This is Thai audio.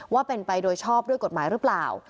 ว่าเป็นไปโดยชอบด้วยกฎหมายหรือเปล่า